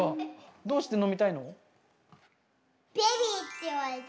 どうして飲みたいの？